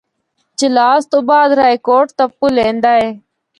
چلاس تو بعد رائےکوٹ دا پُل ایندا ہے۔